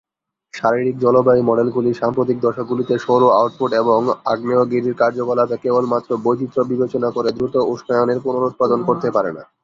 শারীরিক জলবায়ু মডেলগুলি সাম্প্রতিক দশকগুলিতে সৌর আউটপুট এবং আগ্নেয়গিরির কার্যকলাপে কেবলমাত্র বৈচিত্র্য বিবেচনা করে দ্রুত উষ্ণায়নের পুনরুৎপাদন করতে পারে না।